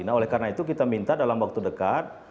nah oleh karena itu kita minta dalam waktu dekat